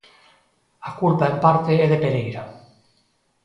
A culpa en parte é de Pereira.